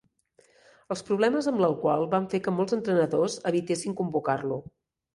Els problemes amb l'alcohol van fer que molts entrenadors evitessin convocar-lo.